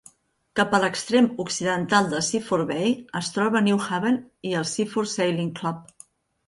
Cap a l'extrem occidental de Seaford Bay es troba Newhaven i el Seaford Sailing Club.